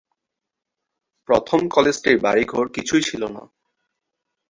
প্রথমে কলেজটির বাড়িঘর কিছুই ছিল না।